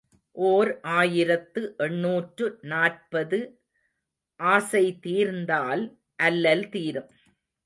ஓர் ஆயிரத்து எண்ணூற்று நாற்பது ஆசை தீர்ந்தால் அல்லல் தீரும்.